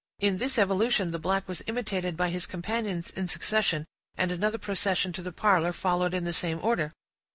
In this evolution the black was imitated by his companions in succession, and another procession to the parlor followed in the same order.